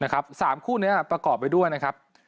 ๓คู่นี้ประกอบไปด้วยนะครับ